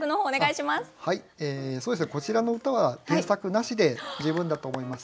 こちらの歌は添削なしで十分だと思います。